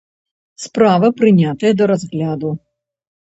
Справа прынятая да разгляду.